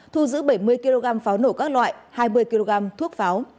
thu giữ bảy mươi kg pháo nổ các loại hai mươi kg thuốc pháo